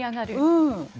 うん。